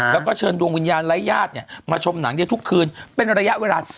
แล้วก็เชิญดวงวิญญาณไร้ญาติมาชมหนังได้ทุกคืนเป็นระยะเวลา